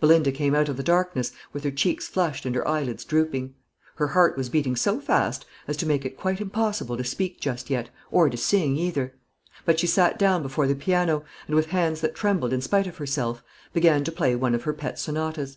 Belinda came out of the darkness, with her cheeks flushed and her eyelids drooping. Her heart was beating so fast as to make it quite impossible to speak just yet, or to sing either. But she sat down before the piano, and, with hands that trembled in spite of herself, began to play one of her pet sonatas.